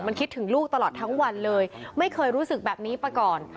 มันคิดถึงลูกตลอดทั้งวันเลยไม่เคยรู้สึกแบบนี้มาก่อน